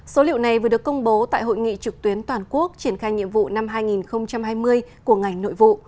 số liệu này vừa được công bố tại hội nghị trực tuyến toàn quốc triển khai nhiệm vụ năm hai nghìn hai mươi của ngành nội vụ